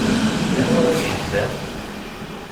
Anwa i yejlan?